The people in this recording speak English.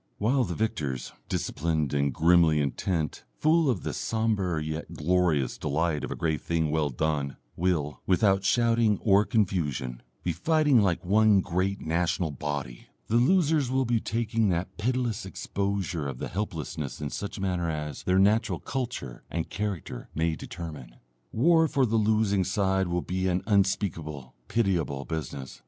While the victors, disciplined and grimly intent, full of the sombre yet glorious delight of a grave thing well done, will, without shouting or confusion, be fighting like one great national body, the losers will be taking that pitiless exposure of helplessness in such a manner as their natural culture and character may determine. War for the losing side will be an unspeakable pitiable business.